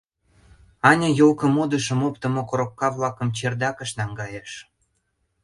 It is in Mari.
Аня ёлко модышым оптымо коробка-влакым чердакыш наҥгайыш.